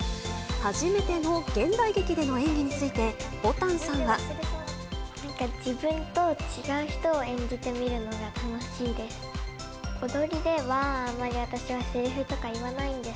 初めての現代劇での演技につなんか自分と違う人を演じてみるのが楽しいです。